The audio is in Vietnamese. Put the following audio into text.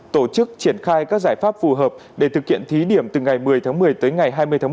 tổ chức triển khai các giải pháp phù hợp để thực hiện thí điểm từ ngày một mươi tháng một mươi tới ngày hai mươi tháng một mươi